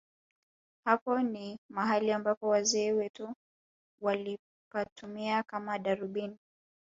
Hapa ni mahali ambapo wazee wetu walipatumia kama darubini